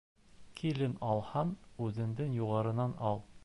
Килен алһаң үҙеңдән юғарынан ал